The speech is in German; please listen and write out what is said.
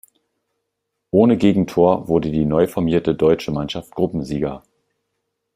Ohne Gegentor wurde die neuformierte deutsche Mannschaft Gruppensieger.